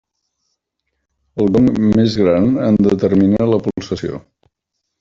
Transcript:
El gong més gran en determina la pulsació.